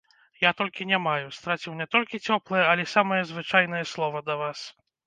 Я толькі не маю, страціў не толькі цёплае, але самае звычайнае слова да вас.